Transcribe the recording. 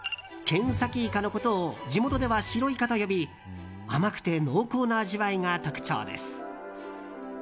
ケンサキイカのことを地元では白イカと呼び甘くて濃厚な味わいが特徴です。